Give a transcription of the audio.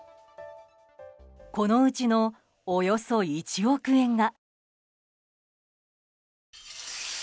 このうちのおよそ１億円が。